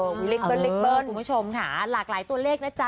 อุ้ยเล็กเล็กเล็กเปิ้ลคุณผู้ชมค่ะหลากหลายตัวเลขนะจ๊ะ